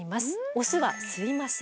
オスは吸いません。